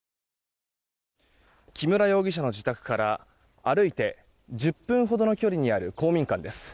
木村容疑者の自宅から歩いて１０分ほどの距離にある公民館です。